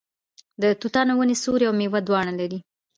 د توتانو ونې سیوری او میوه دواړه لري.